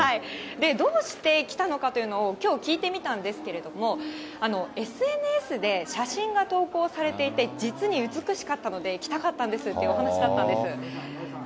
どうして来たのかというのをきょう聞いてみたんですけれども、ＳＮＳで写真が投稿されていて、実に美しかったので来たかったんですっていうお話だったんです。